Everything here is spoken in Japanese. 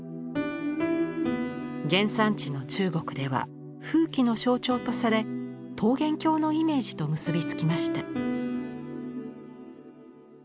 原産地の中国では富貴の象徴とされ桃源郷のイメージと結び付きました。